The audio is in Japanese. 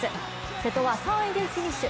瀬戸は３位でフィニッシュ。